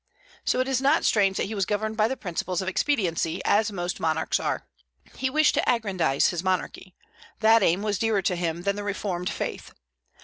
So it is not strange that he was governed by the principles of expediency, as most monarchs are. He wished to aggrandize his monarchy; that aim was dearer to him than the reformed faith.